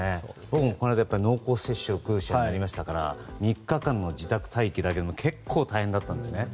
僕も、この間濃厚接触者になりましたから３日間の自宅待機だけでも結構大変だったんですね。